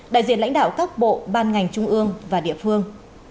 đại diện lãnh đạo các bộ ban ngành trung ương và địa phương